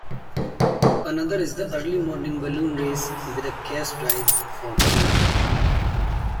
Another is the early morning balloon race with a cash prize for the winner.